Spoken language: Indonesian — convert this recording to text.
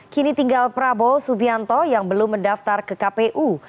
kini tinggal prabowo subianto yang belum mendaftar ke kpu